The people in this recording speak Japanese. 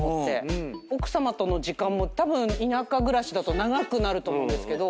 奥さまとの時間もたぶん田舎暮らしだと長くなると思うんですけど。